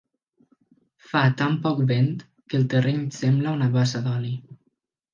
Fa tan poc vent que el terreny sembla una bassa d'oli.